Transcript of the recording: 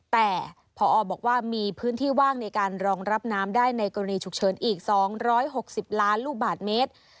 แต่พอบอกว่ามีพื้นที่ว่างในการรองรับน้ำได้ในกรณีฉุกเฉินอีก๒๖๐ล้านลูกบาทเมตร